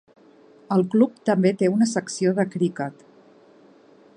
El club també té una secció de criquet.